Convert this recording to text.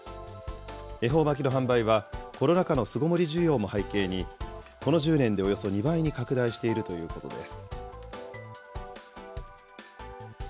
恵方巻の販売は、コロナ禍の巣ごもり需要も背景に、この１０年でおよそ２倍に拡大しているということです。